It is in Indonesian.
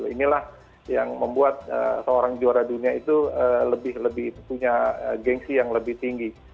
inilah yang membuat seorang juara dunia itu lebih punya gengsi yang lebih tinggi